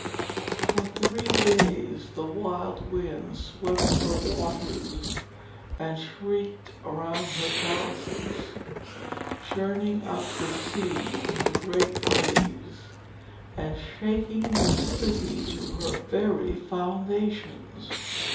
For three days the wild winds swept her waters and shrieked around her palaces, churning up the sea into great waves and shaking the city to her very foundations.